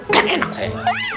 kayaknya enak saya